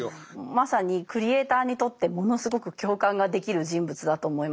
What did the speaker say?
まさにクリエーターにとってものすごく共感ができる人物だと思います。